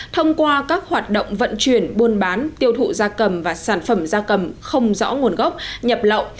thông qua các hoạt động vận chuyển buôn bán tiêu thụ da cầm và sản phẩm da cầm không rõ nguồn gốc nhập lậu